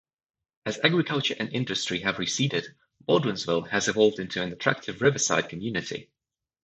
As agriculture and industry have receded, Baldwinsville has evolved into an attractive riverside community.